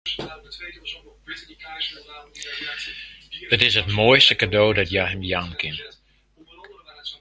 It is it moaiste kado dat hja him jaan kin.